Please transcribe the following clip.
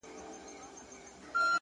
وخت د هیڅ چا لپاره نه درېږي’